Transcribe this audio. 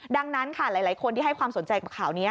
ดังนั้นค่ะหลายคนที่ให้ความสนใจกับข่าวนี้